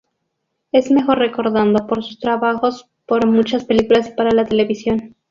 Es mejor recordado por sus trabajos para muchas películas y para la televisión.